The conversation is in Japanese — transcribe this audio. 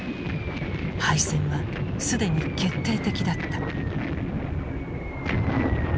敗戦は既に決定的だった。